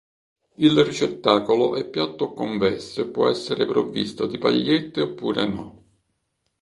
Il ricettacolo è piatto o convesso e può essere provvisto di pagliette oppure no.